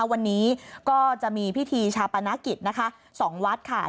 วันนี้ก็จะมีพิธีชาปนกิจนะคะ๒วัดค่ะ